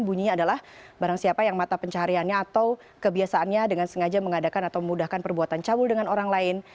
bunyinya adalah barang siapa yang mata pencahariannya atau kebiasaannya dengan sengaja mengadakan atau memudahkan perbuatan cabul dengan orang lain